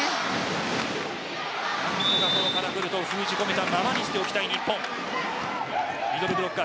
何とかカラクルトを封じ込めたままにしておきたい日本。